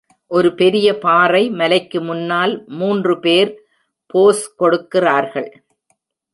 ஒரு பெரிய பாறை மலைக்கு முன்னால் மூன்று பேர் போஸ் கொடுக்கிறார்கள்.